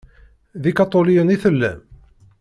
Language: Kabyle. D ikaṭuliyen i tellam?